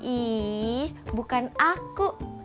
ih bukan aku